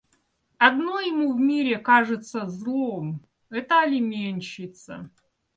Одно ему в мире кажется злом — это алиментщица.